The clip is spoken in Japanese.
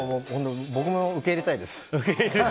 僕も受け入れたいです。